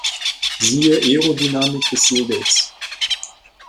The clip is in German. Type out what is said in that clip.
Siehe Aerodynamik des Segels.